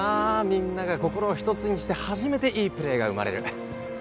みんなが心を一つにして初めていいプレーが生まれる